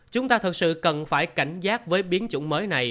chúng ta thực sự cần phải cảnh giác với biến chủng mới này